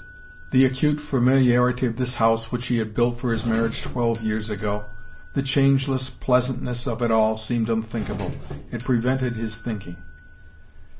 The acute familiarity of this house, which he had built for his marriage twelve years ago, the changeless pleasantness of it all seemed unthinkable. It prevented his thinking.